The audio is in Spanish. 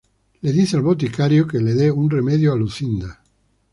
Le dice al boticario que le de un remedio a Lucinda.